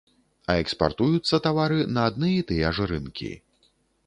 А экспартуюцца тавары на адны і тыя ж рынкі.